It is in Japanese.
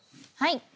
はい！